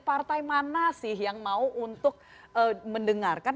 partai mana sih yang mau untuk mendengarkan